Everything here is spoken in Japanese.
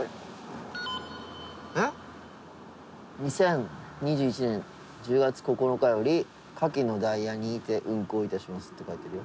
２０２１年１０月９日より下記のダイヤにて運行いたしますって書いてるよ。